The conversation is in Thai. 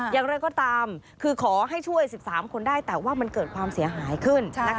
อย่างไรก็ตามคือขอให้ช่วย๑๓คนได้แต่ว่ามันเกิดความเสียหายขึ้น